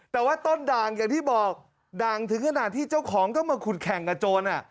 แต่ว่าต้นด่างอย่างที่บอกด่างถึงขนาดที่เจ้าของต้องมาขุดแข่งกับโจร